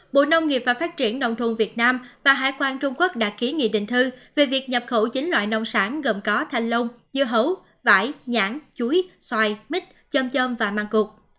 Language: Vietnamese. bộ nông nghiệp và phát triển nông thôn việt nam và hải quan trung quốc đã ký nghị định thư về việc nhập khẩu chín loại nông sản gồm có thanh lông dưa hấu vải nhãn chuối xoài mít chôm chôm và mang cục